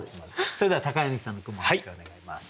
それでは柳さんの句も発表お願いします。